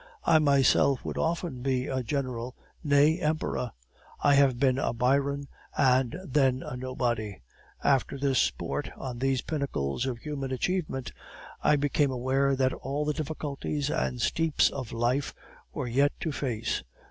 I myself would often be a general, nay, emperor; I have been a Byron, and then a nobody. After this sport on these pinnacles of human achievement, I became aware that all the difficulties and steeps of life were yet to face.